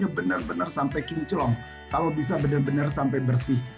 benar benar sampai kinclong kalau bisa benar benar sampai bersih